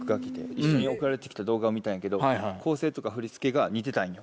一緒に送られてきた動画を見たんやけど構成とか振り付けが似てたんよ。